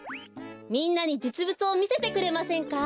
みんなにじつぶつをみせてくれませんか？